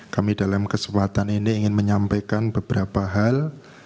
kami dalam kesempatan ini ingin menyampaikan beberapa hal